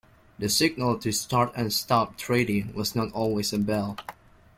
The signal to start and stop trading was not always a bell.